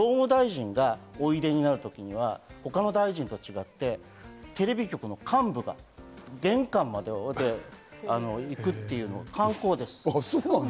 だから総務大臣がおいでになる時には他の大臣たちと違って、テレビ局の幹部が玄関まで行くというのが慣行です。